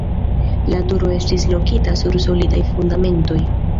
La turo estis lokita sur solidaj fundamentoj.